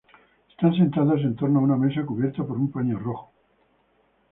Están sentados en torno a una mesa cubierta por un paño rojo.